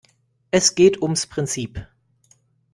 Es geht ums Prinzip.